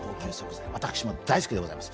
私も大好きでございます。